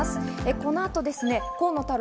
この後、河野太郎